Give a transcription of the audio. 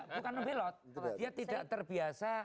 bukan membelot dia tidak terbiasa